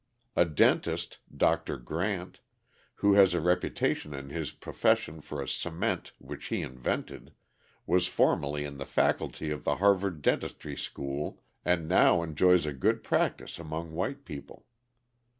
A dentist, Dr. Grant, who has a reputation in his profession for a cement which he invented, was formerly in the faculty of the Harvard dentistry school and now enjoys a good practice among white people.